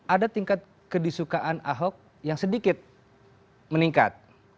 ada tingkat kedisukaan ahok yang sedikit meningkat